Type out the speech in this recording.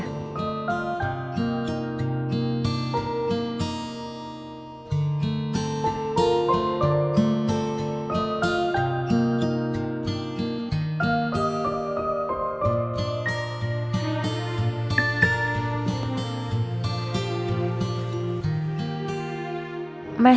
pertama kali ya